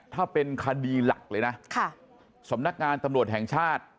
ถ้าเป็นคดีหลักเลยนะสำนักงานตำรวจแห่งชาติ